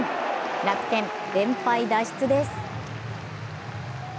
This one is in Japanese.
楽天、連敗脱出です。